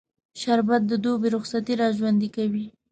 شربت د دوبی رخصتي راژوندي کوي